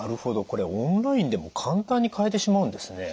これオンラインでも簡単に買えてしまうんですね。